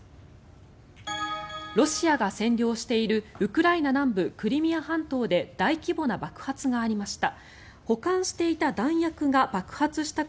ロシアが占領しているウクライナ南部クリミア半島で大規模な爆発がありました。